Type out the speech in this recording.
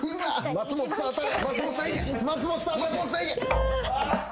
・松本さんや！